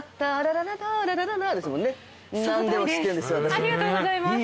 ありがとうございます。